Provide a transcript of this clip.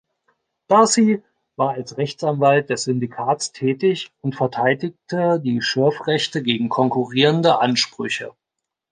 D’Arcy war als Rechtsanwalt des Syndikats tätig und verteidigte die Schürfrechte gegen konkurrierende Ansprüche.